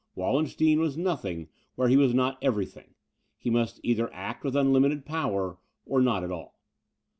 Wallenstein was NOTHING where he was not EVERYTHING; he must either act with unlimited power, or not at all.